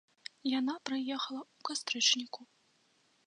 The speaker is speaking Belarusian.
Яна прыехала ў кастрычніку.